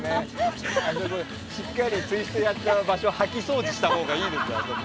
しっかりツイストやった場所掃き掃除したほうがいいですよ。